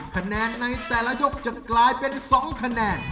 คะแนนในแต่ละยกจะกลายเป็น๒คะแนน